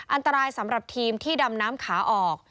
อันตรายสำหรับทีมที่ดำน้ำขาออก